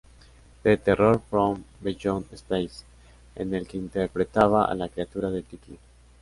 The Terror from Beyond Space", en el que interpretaba a la criatura del título.